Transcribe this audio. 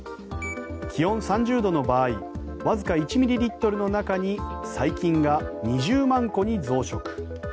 気温３０度の場合わずか１ミリリットルの中に細菌が２０万個に増殖。